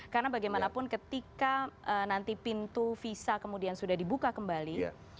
karena bagaimanapun ketika nanti pintu visa kemudian sudah dibuka kembali